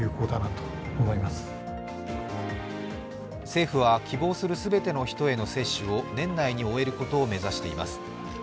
政府は希望する全ての人への接種を年内に終えることを目指しています。